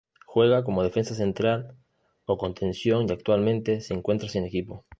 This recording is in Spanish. Juega como defensa central o contención y actualmente se encuentra sin equipo.